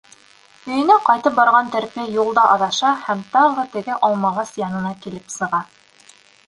Өйөнә ҡайтып барған терпе юлда аҙаша һәм тағы теге Алмағас янына килеп сыға.